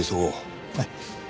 はい。